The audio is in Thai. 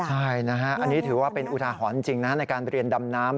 ใช่นะฮะอันนี้ถือว่าเป็นอุทาหรณ์จริงนะในการเรียนดำน้ำ